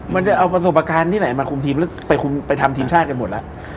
มันจะเอาประสดุประการที่ไหนมาคุ้มทีมไปทำทีมชาติกันหมดละ